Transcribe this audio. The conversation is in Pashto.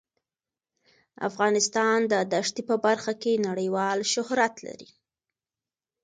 افغانستان د دښتې په برخه کې نړیوال شهرت لري.